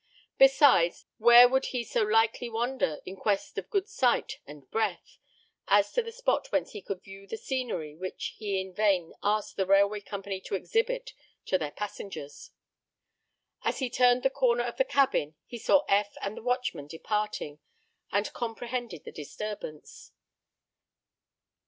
Besides, where would he so likely wander, in quest of good sight and breath, as to the spot whence he could view the scenery which he in vain asked the railway company to exhibit to their passengers. As he turned the corner of the cabin he saw Eph and the watchman departing, and comprehended the disturbance.